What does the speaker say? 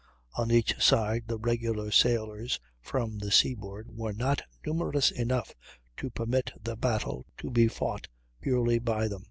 On each side the regular sailors, from the seaboard, were not numerous enough to permit the battle to be fought purely by them.